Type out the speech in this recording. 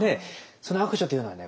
その悪女というのはね